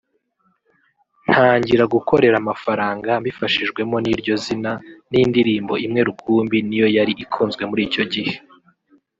ntangira gukorera amafaranga mbifashishijwemo n’iryo zina n’indirimbo imwe rukumbi niyo yari ikunzwe muri icyo gihe